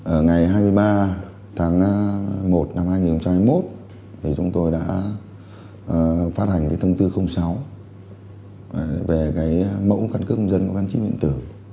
ở ngày hai mươi ba tháng một năm hai nghìn hai mươi một chúng tôi đã phát hành cái thông tư sáu về cái mẫu căn cước công dân gắn chip điện tử